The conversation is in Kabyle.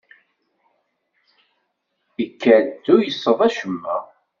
Ikad-d tuyseḍ acemma.